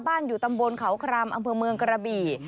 อยู่ตำบลเขาครามอำเภอเมืองกระบี่